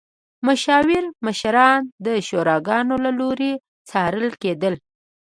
مشاور مشران د شوراګانو له لوري څارل کېدل.